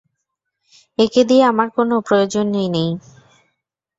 একে দিয়ে আমার কোনই প্রয়োজন নেই।